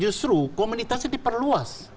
justru komunitasnya diperluas